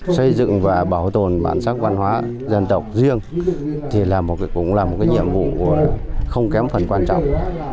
xây dựng và bảo tồn bản sắc văn hóa dân tộc riêng thì là cũng là một nhiệm vụ không kém phần quan trọng